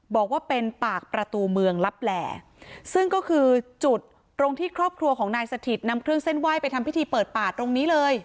บอกว่าเป็นปากประตูเมืองลับแหล่ซึ่งก็คือจุดตรงที่ครอบครัวของนายสถิตนำเครื่องเส้นไหว้ไปทำพิธีเปิดป่าตรงนี้เลย